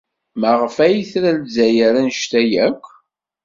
Maɣef ay tra Lezzayer anect-a akk?